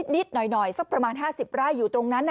นิดหน่อยสักประมาณ๕๐ไร่อยู่ตรงนั้น